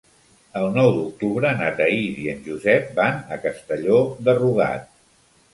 El nou d'octubre na Thaís i en Josep van a Castelló de Rugat.